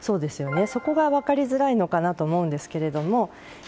そこが分かりづらいのかなと思うんですけれども。